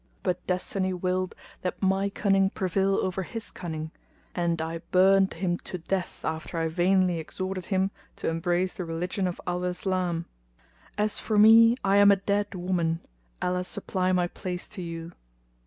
But Destiny willed that my cunning prevail over his cunning; and I burned him to death after I vainly exhorted him to embrace the religion of al Islam. As for me I am a dead woman; Allah supply my place to you!"